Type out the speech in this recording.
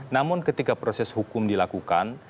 namun ketika proses hukum dilakukan